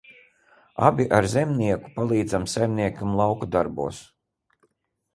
Abi ar Zemnieku palīdzam saimniekam lauku darbos.